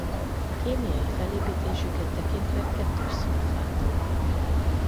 Kémiai felépítésüket tekintve kettős szulfátok.